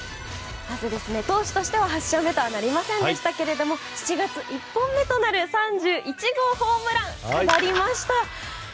投手としては８勝目とはなりませんでしたが７月１本目となる３１号ホームラン、飾りました。